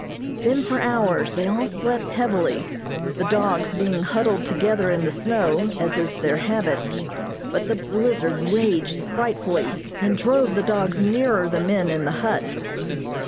Then for hours they all slept heavily, the dogs being huddled together in the snow, as is their habit, but the blizzard raged frightfully, and drove the dogs nearer the men in the hut.